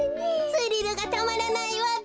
スリルがたまらないわべ。